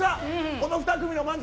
この２組の漫才